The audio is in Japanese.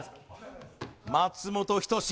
松本人志